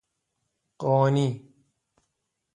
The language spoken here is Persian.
قانی